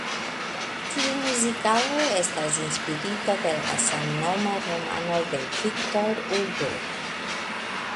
Tiu muzikalo estas inspirita de la samnoma romano de Victor Hugo.